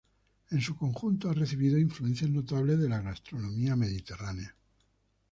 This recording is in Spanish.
En su conjunto ha recibido influencias notables de la gastronomía mediterránea.